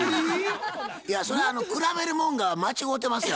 いやそれは比べるもんが間違うてますよ